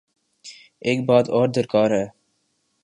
ایک بات اور درکار ہے۔